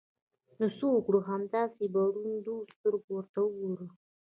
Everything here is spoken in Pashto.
نو څه وکړو؟ همداسې په رډو سترګو ورته وګورو!